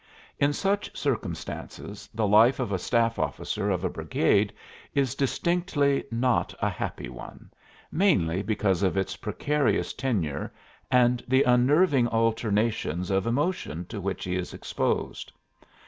In such circumstances the life of a staff officer of a brigade is distinctly "not a happy one," mainly because of its precarious tenure and the unnerving alternations of emotion to which he is exposed.